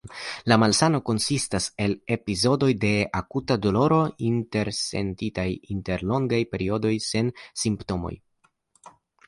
La malsano konsistas el epizodoj de akuta doloro intersentitaj inter longaj periodoj sen simptomoj.